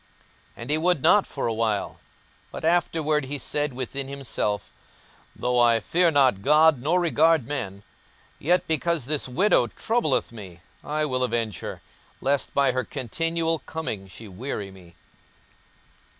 42:018:004 And he would not for a while: but afterward he said within himself, Though I fear not God, nor regard man; 42:018:005 Yet because this widow troubleth me, I will avenge her, lest by her continual coming she weary me.